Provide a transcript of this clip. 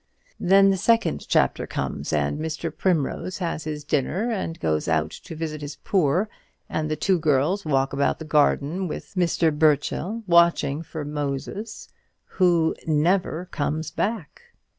"Then the second chapter comes, and Mr. Primrose has his dinner, and goes out to visit his poor; and the two girls walk about the garden with Mr. Burchell, watching for Moses, who NEVER COMES BACK.